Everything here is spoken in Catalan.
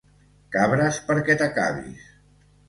Cabres, perquè t'acabis.